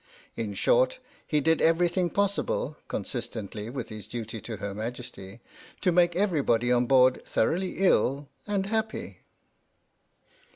In short, he did everything possible (consistently with his duty to Her Majesty) to make everybody on board thoroughly ill and happy.